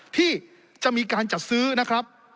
ที่จะมีการจัดซื้อนะครับ